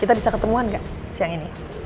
kita bisa ketemuan nggak siang ini